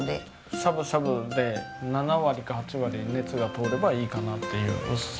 しゃぶしゃぶで７割か８割熱が通ればいいかなっていう薄さ。